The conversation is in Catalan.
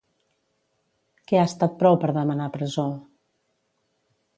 Què ha estat prou per demanar presó?